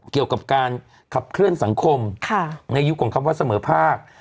เกี่ยวกับการขับเคลื่อนสังคมในยุคของคำว่าเสมอภาค